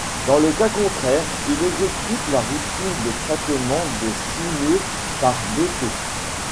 Dans le cas contraire, il exécute la routine de traitement des signaux par défaut.